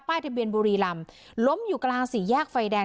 ทะเบียนบุรีลำล้มอยู่กลางสี่แยกไฟแดง